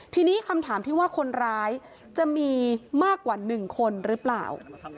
ทีนี้คำถามที่ว่าคนร้ายจะมีมากกว่า๑คนหรือเปล่า